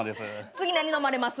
次何飲まれます？